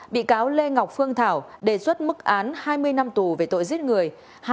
bị cáo lê ngọc phương thảo đề xuất mức án hai mươi năm tù về tội giết người